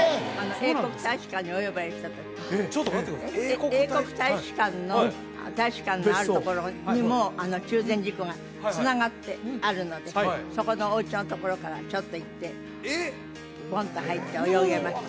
英国大使館の大使館のあるところにもあの中禅寺湖がつながってあるのでそこのおうちのところからちょっと行ってポンと入って泳げました